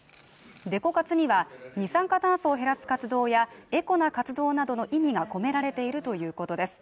デコ活には二酸化炭素を減らす活動やエコな活動などの意味が込められているということです。